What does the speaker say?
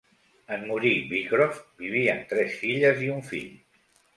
En morir Beecroft, vivien tres filles i un fill.